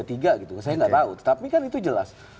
saya tidak tahu tapi kan itu jelas